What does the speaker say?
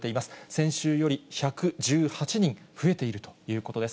先週より１１８人増えているということです。